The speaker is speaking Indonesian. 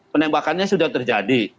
penembakannya sudah terjadi